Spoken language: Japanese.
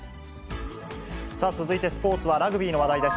さあ、続いてスポーツはラグビーの話題です。